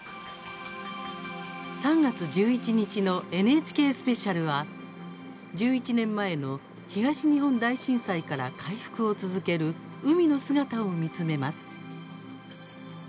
３月１１日の「ＮＨＫスペシャル」は１１年前の東日本大震災から回復を続ける海の姿を見つめます。